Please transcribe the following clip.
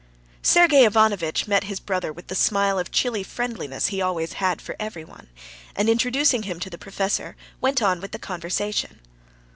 Sergey Ivanovitch met his brother with the smile of chilly friendliness he always had for everyone, and introducing him to the professor, went on with the conversation.